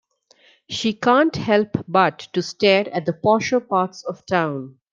She can't help but to stare at the posher parts of town.